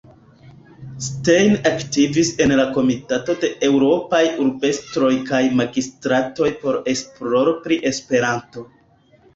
Stein aktivis en la Komitato de eŭropaj urbestroj kaj magistratoj por esploro pri Esperanto.